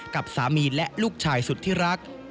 กับสามีและลูกชายสุดที่รัก